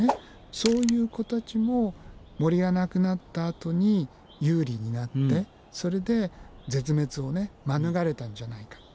そういう子たちも森がなくなったあとに有利になってそれで絶滅を免れたんじゃないかと。